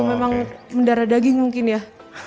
memang mendara daging mungkin ya